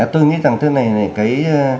tôi nghĩ rằng thế này